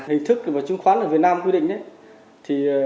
hình thức chứng khoán ở việt nam quy định